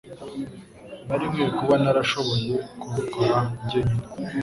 Nari nkwiye kuba narashoboye kubikora njyenyine.